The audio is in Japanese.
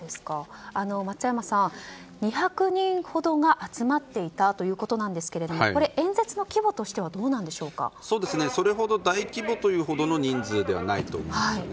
松山さん、２００人ほどが集まっていたということなんですがこれは演説の規模としてはそれほど大規模というほどの人数ではないと思います。